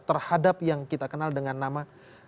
terhadap yang kita kenal dengan nama